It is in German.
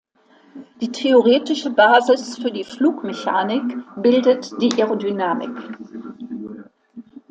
Die theoretische Basis für die Flugmechanik bildet die Aerodynamik.